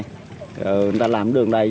người ta làm đường này